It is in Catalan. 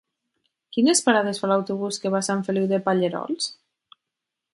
Quines parades fa l'autobús que va a Sant Feliu de Pallerols?